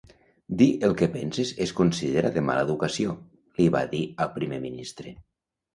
"Dir el que penses es considera de mala educació" li va dir al Primer Ministre.